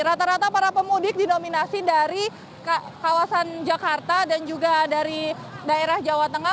rata rata para pemudik didominasi dari kawasan jakarta dan juga dari daerah jawa tengah